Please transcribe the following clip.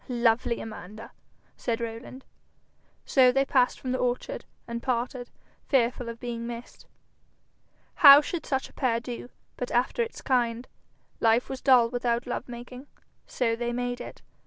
'Lovely Amanda!' said Rowland. So they passed from the orchard and parted, fearful of being missed. How should such a pair do, but after its kind? Life was dull without love making, so they made it.